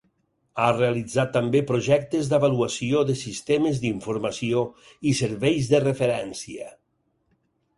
Ha realitzat també projectes d'avaluació de sistemes d'informació i serveis de referència.